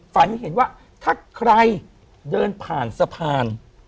ฝันเห็นว่าถ้าใครเดินผ่านสะพาน